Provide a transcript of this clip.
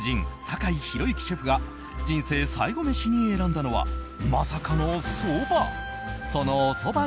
坂井宏行シェフが人生最後メシに選んだのはまさかのそば。